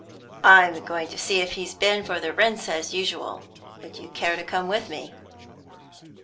"I'm going to see if he's been for the rents as usual. Would you care to come with me?"